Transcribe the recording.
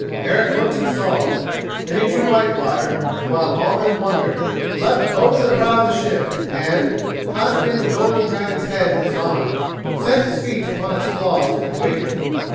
Eric looked and saw. Then he drew Whitefire, and while all men wondered, leaped over the prow of the ship and, clasping the golden dragon's head with his arm, set his feet upon its claws and waited.